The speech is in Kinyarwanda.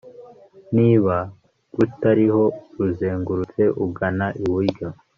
niba rutariho, ruzengurutse ugana iburyo